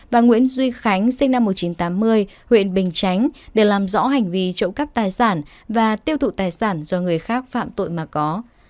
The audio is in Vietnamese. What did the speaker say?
và nguyễn duy khánh để làm rõ hành vi trộm cắp tài sản và tiêu thụ tài sản do người khác phạm tội mà có